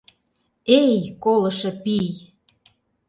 Эй, колышо пий!